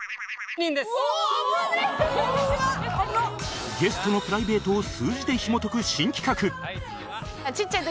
ゲストのプライベートを数字でひも解く新企画